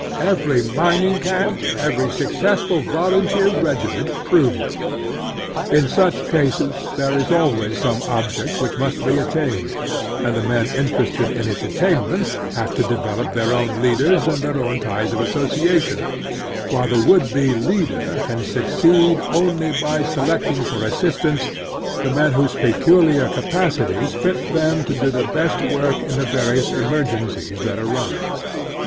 < Every mining camp, every successful volunteer regiment, proves it. In such cases there is always some object which must be attained, and the men interested in its attainment have to develop their own leaders and their own ties of association, while the would be leader can succeed only by selecting to The Strenuous Life for assistants the men whose pectdiar capacities fit them to do the best work in the various emergen cies that arise.